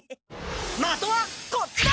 まとはこっちだ！